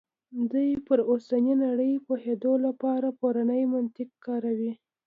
دوی پر اوسنۍ نړۍ پوهېدو لپاره پرونی منطق کاروي.